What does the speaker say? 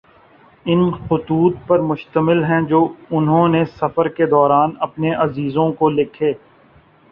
ان خطوط پر مشتمل ہیں جو انھوں نے سفر کے دوران اپنے عزیزوں کو لکھے